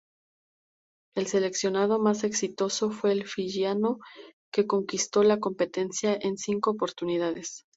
El seleccionado más exitoso fue el fiyiano, que conquistó la competencia en cinco oportunidades.